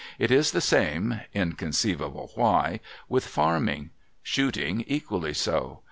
It is the same (inconceivable why !) with Farming. Shooting, equally so.